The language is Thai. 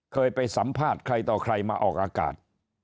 เคยไปสัมภาษณ์ใครต่อใครมาออกอากาศ